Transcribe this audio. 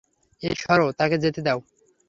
এই সরো, তাকে যেতে দাও।